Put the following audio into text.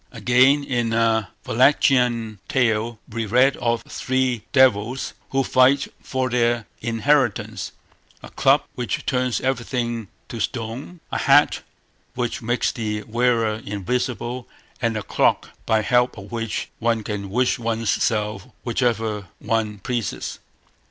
Again, in a Wallachian tale, we read of three devils who fight for their inheritance—a club which turns everything to stone, a hat which makes the wearer invisible, and a cloak by help of which one can wish one's self whithersoever one pleases.